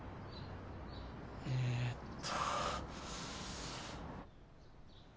えーっと。